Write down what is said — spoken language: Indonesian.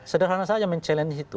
sederhana saja men challenge itu